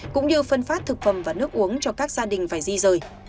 cũng như phân phát thực phẩm và nước uống cho các gia đình phải di rời